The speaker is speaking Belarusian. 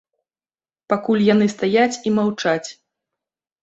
Пакуль яны стаяць і маўчаць.